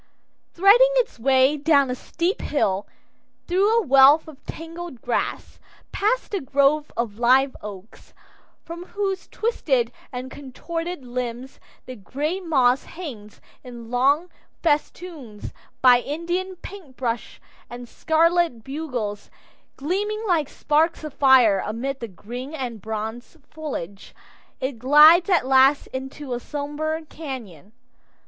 Threading its way down a steep hill; through a wealth of tangled grasses; past a grove of live oaks, from whose twisted and contorted limbs the gray moss hangs in long festoons, by Indian paintbrush and scarlet bugler gleaming like sparks of fire amid the green and bronze foliage, it glides at last into a somber cañon.